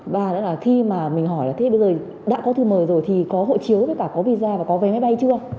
ba nữa là khi mà mình hỏi là thế bây giờ đã có thư mời rồi thì có hộ chiếu với cả có visa và có vé máy bay chưa